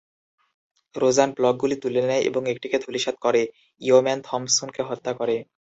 রোজান ব্লকগুলি তুলে নেয় এবং একটিকে ধূলিসাৎ করে, ইওম্যান থম্পসনকে হত্যা করে।